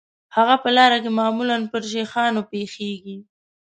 هغه په لاره کې معمولاً پر شیخانو پیښیږي.